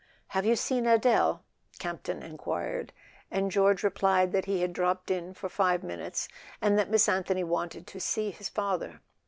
"Have you seen Adele?" Campton enquired, and George replied that he had dropped in for five minutes, and that Miss Anthony wanted to see his father.